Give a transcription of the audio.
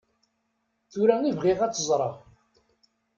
Tura i bɣiɣ ad t-ẓreɣ.